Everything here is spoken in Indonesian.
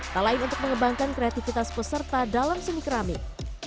talain untuk mengembangkan kreatifitas peserta dalam seni keramik